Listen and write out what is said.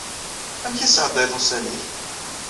Amek i tesɛeddayeḍ ussan-ik?